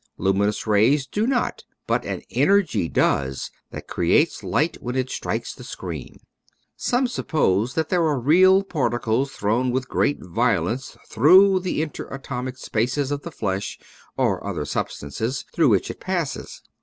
Luminous rays do not, but an energy does that creates light when it strikes the screen. Some suppose that there are real particles thrown with great violence through the interatomic spaces of the flesh or other substances through which it passes.